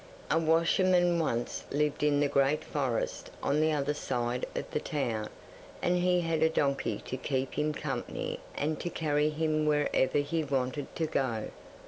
'A washerman once lived in the great forest on the other side of the town, and he had a donkey to keep him company and to carry him wherever he wanted to go.